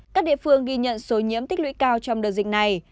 các địa phương ghi nhận số nhiễm tích lũy cao trong đợt dịch này